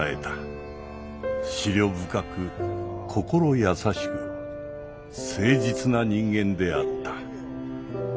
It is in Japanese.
思慮深く心優しく誠実な人間であった。